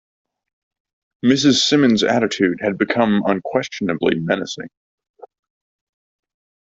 Mrs. Simmons's attitude had become unquestionably menacing.